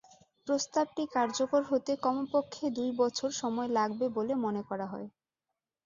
প্রস্তাবটি কার্যকর হতে কমপক্ষে দুই বছর সময় লাগবে বলে মনে করা হয়।